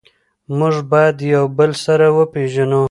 موږ باید یو بل سره وپیژنو.